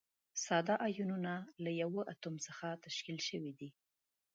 ساده ایونونه له یوه اتوم څخه تشکیل شوي دي.